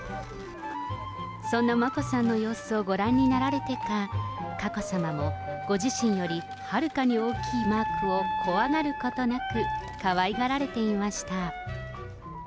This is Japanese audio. そんな眞子さんの様子をご覧になられてか、佳子さまも、ご自身よりはるかに大きいマークを怖がることなくかわいがられていました。